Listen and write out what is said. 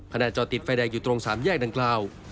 จอดติดไฟแดงอยู่ตรงสามแยกดังกล่าว